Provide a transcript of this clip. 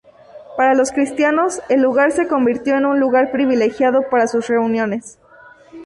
Para los cristianos, el lugar se convirtió en un lugar privilegiado para sus reuniones.